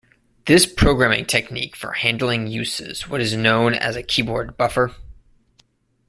This programming technique for handling uses what is known as a keyboard buffer.